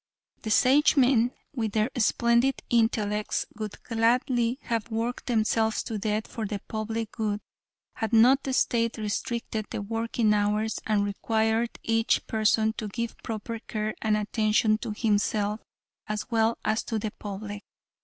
The Sagemen, with their splendid intellects, would gladly have worked themselves to death for the public good had not the State restricted the working hours and required each person to give proper care and attention to himself as well as to the public.